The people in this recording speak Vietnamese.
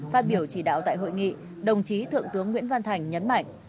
phát biểu chỉ đạo tại hội nghị đồng chí thượng tướng nguyễn văn thành nhấn mạnh